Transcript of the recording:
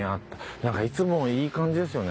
なんかいつもいい感じですよね。